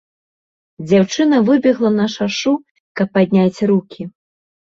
Дзяўчына выбегла на шашу, каб падняць рукі.